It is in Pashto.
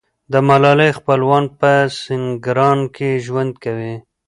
د ملالۍ خپلوان په سینګران کې ژوند کوي.